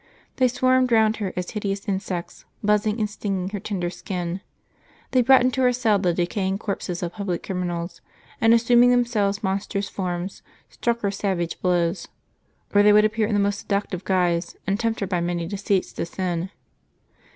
They swarmed round her as hideous insects, buzzing and stinging her tender skin. They brought into her cell the decaying corpses of public criminals, and assuming themselves monstrous forms struck her savage blows ; or they would appear in the most seduc tive guise,^ and tempt her by many deceits to sin.